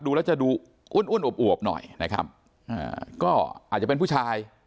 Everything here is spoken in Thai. ดูแล้วจะดูอ้วนอ้วนอวบหน่อยนะครับอ่าก็อาจจะเป็นผู้ชาย